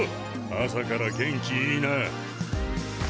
朝から元気いいな！